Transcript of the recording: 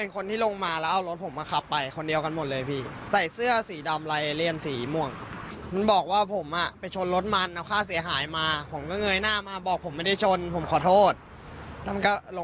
แค่นั้นเลยพี่เพราะว่าผมอะ